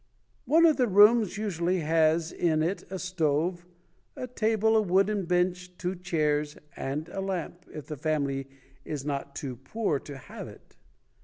One of the rooms usually has in it a stove, a table, a wooden bench, two chairs, and a lamp, if the family is not too poor to have it.